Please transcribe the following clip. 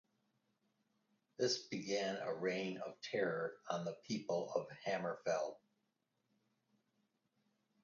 This began a reign of terror on the people of Hammerfell.